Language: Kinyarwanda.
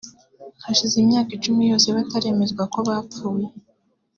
Hashize imyaka icumi yose bitaremezwa ko bapfuye